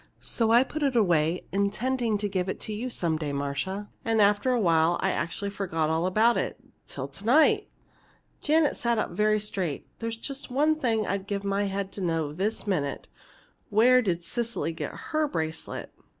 So I put it away intending to give it to you some day, Marcia. And after a while I actually forgot all about it till to night!" Janet sat up very straight. "There's just one thing I'd give my head to know this minute! Where did Cecily get her bracelet?"